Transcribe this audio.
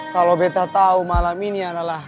kalo beta tau malam ini adalah